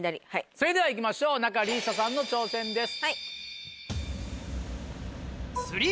それではいきましょう仲里依紗さんの挑戦です。